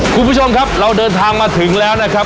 คุณผู้ชมครับเราเดินทางมาถึงแล้วนะครับ